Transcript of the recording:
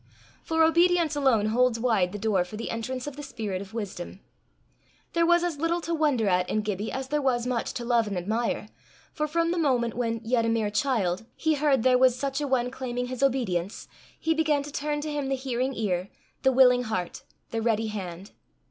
For obedience alone holds wide the door for the entrance of the spirit of wisdom. There was as little to wonder at in Gibbie as there was much to love and admire, for from the moment when, yet a mere child, he heard there was such a one claiming his obedience, he began to turn to him the hearing ear, the willing heart, the ready hand.